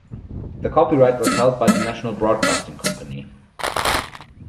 The copyright was held by the National Broadcasting Company.